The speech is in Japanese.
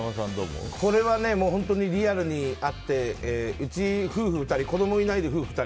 本当にリアルにあってうち夫婦２人子供いないで夫婦２人。